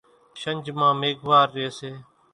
شنجھ مان ميگھوار ريئيَ سي۔